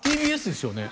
ＴＢＳですよね